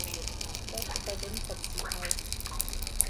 Dort überwintert sie auch.